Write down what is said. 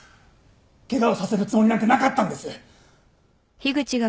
ケガをさせるつもりなんてなかったんです！